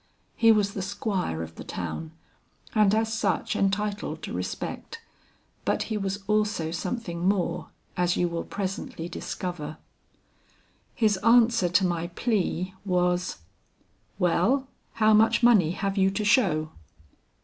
He was the Squire of the town, and as such entitled to respect, but he was also something more, as you will presently discover. His answer to my plea was: "'Well, how much money have you to show?'